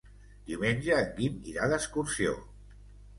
Diumenge en Guim irà d'excursió.